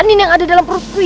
tidak ada apa apa